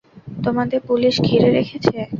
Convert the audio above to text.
তোমাদের পুলিশ ঘিরে রেখেছে!